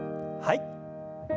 はい。